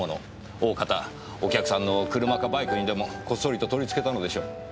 大方お客さんの車かバイクにでもこっそりと取り付けたのでしょう。